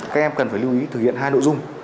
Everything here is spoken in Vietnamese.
các thí sinh phải lưu ý thực hiện hai nội dung